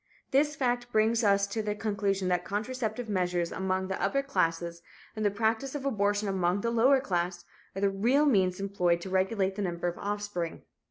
This fact brings us to the conclusion that contraceptive measures among the upper classes and the practice of abortion among the lower class, are the real means employed to regulate the number of offspring."